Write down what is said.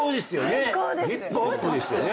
ヒップホップですよね。